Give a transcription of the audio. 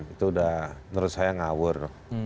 itu udah menurut saya ngawur